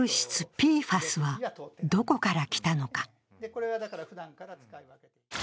ＰＦＡＳは、どこから来たのか。